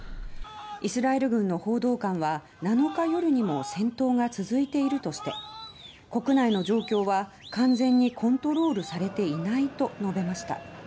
イスラエル軍の報道官は７日夜にも戦闘が続いているとして国内の状況は、完全にコントロールされていないと述べました。